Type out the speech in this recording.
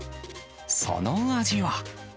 その味は。